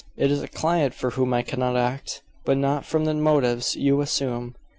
"It is a client for whom I cannot act. But not from the motives you assume.